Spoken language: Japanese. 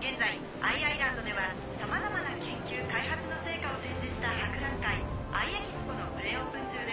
現在Ｉ・アイランドではさまざまな研究開発の成果を展示した博覧会Ｉ・エキスポのプレオープン中です。